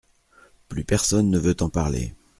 Plus personne ne veut en parler.